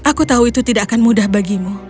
aku tahu itu tidak akan mudah bagimu